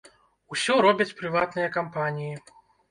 Усё робяць прыватныя кампаніі.